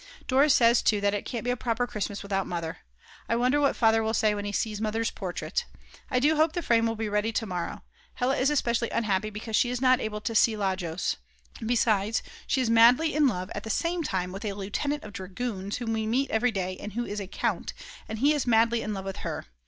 Dora says too that it can't be a proper Christmas without Mother. I wonder what Father will say when he sees Mother's portrait. I do hope the frame will be ready to morrow. Hella is especially unhappy because she is not able to see Lajos. Besides, she is madly in love at the same time with a lieutenant of dragoons whom we meet every day and who is a count, and he is madly in love with her.